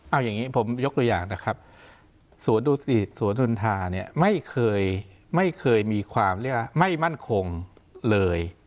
เอาอย่างนี้ผมยกตัวอย่างนะครับสวทุศิษฐ์สวทุนทาไม่เคยมีความไม่มั่นคงเลย